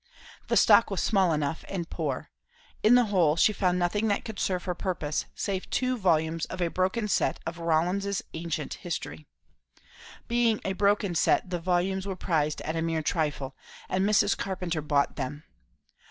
The stock was small enough, and poor; in the whole she found nothing that could serve her purpose, save two volumes of a broken set of Rollin's Ancient History. Being a broken set, the volumes were prized at a mere trifle, and Mrs. Carpenter bought them.